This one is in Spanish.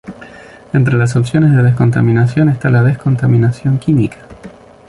Entre las opciones de descontaminación está la descontaminación química.